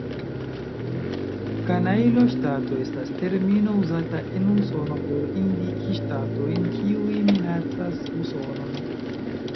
Kanajlo-ŝtato estas termino uzata en Usono por indiki ŝtatojn, kiuj minacas Usonon.